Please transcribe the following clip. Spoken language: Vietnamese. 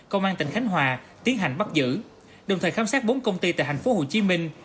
công an tỉnh khánh hòa tiến hành bắt giữ đồng thời khám sát bốn công ty tại thành phố hồ chí minh